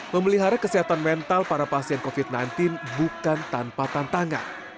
memelihara kesehatan mental para pasien covid sembilan belas bukan tanpa tantangan